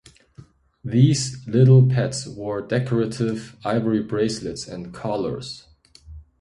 These little pets wore decorative ivory bracelets and collars.